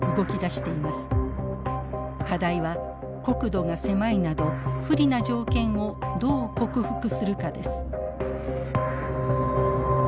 課題は国土が狭いなど不利な条件をどう克服するかです。